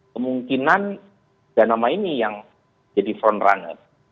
kemungkinan ada nama ini yang jadi frontrunner